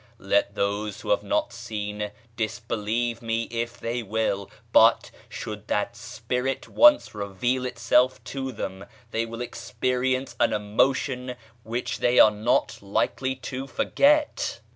Let those who have not seen disbelieve me if they will; but, should that spirit once reveal itself to them, they will experience an emotion which they are not likely to forget.